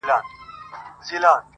کورونا جدي وګڼئ،!